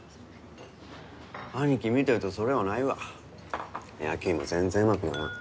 兄貴見てるとそれはないわ野球も全然うまくならん